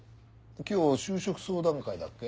今日就職相談会だっけ？